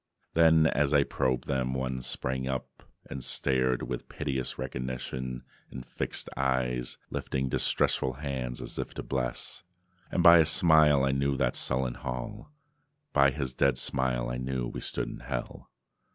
Then, as I probed them, one sprang up, and stared With piteous recognition in fixed eyes, Lifting distressful hands as if to bless. And by his smile I knew that sullen hall. By his dead smile I knew we stood in Hell.